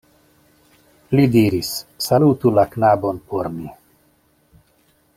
Li diris: "Salutu la knabon por mi.